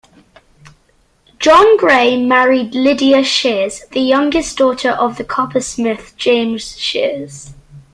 John Gray married Lydia Shears, the youngest daughter of the coppersmith James Shears.